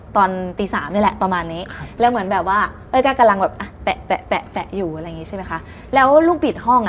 รุ่นพี่ผมจะมีบ้านอยู่ที่ลำพูน